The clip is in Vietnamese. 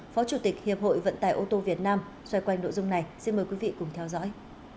phó chủ tịch hiệp hội vận tải ô tô việt nam xoay quanh nội dung này xin mời quý vị cùng theo dõi